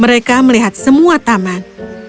mereka melihat semua taman